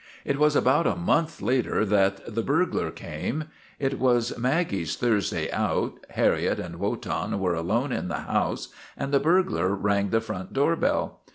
It was about a month later that the burglar came. It was Maggie's Thursday out, Harriet and Wotan were alone in the house, and the burglar rang the front doorbell.